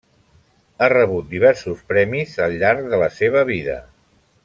Ha rebut diversos premis al llarg de la seva vida.